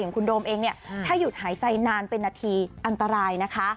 คุณโดมเองเนี่ยถ้าหยุดหายใจนานเป็นนาทีอันตรายนะคะ